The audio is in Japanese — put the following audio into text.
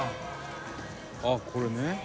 「あっこれね」